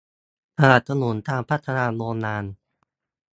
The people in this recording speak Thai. สนับสนุนการพัฒนาโรงงาน